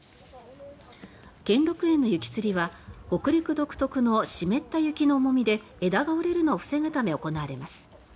兼六園の雪つりは北陸独特の湿った雪の重みで枝が折れるのを防ぐため行われます。